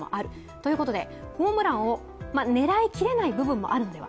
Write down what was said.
ということで、ホームランを狙いきれない部分もあるのでは。